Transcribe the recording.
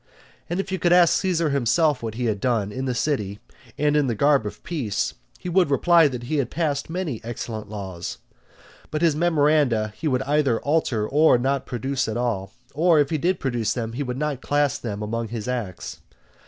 And if you could ask Caesar himself what he had done in the city and in the garb of peace, he would reply that he had passed many excellent laws; but his memoranda he would either alter or not produce at all; or, if he did produce them, he would not class them among his acts.